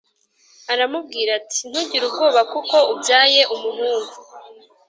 Aramubwira ati ntugire ubwoba kuko ubyaye umuhungu